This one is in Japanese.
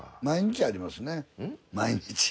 毎日ありますね毎日。